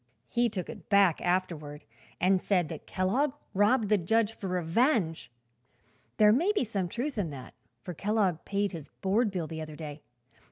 "He took it back, afterward, and said that Kellogg robbed the judge for revenge. There may be some truth in that, for Kellogg paid his board bill the other day.